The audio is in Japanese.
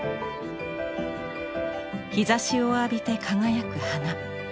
日ざしを浴びて輝く花。